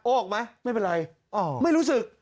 ออกไหมไม่เป็นไรไม่รู้สึก